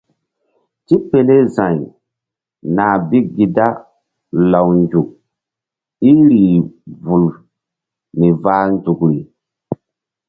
Tipele za̧y nah bi gi da law nzuk í rih vul mi vah nzukri.